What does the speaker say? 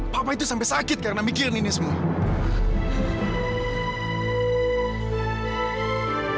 papa itu sampai sakit karena mikirin ini semua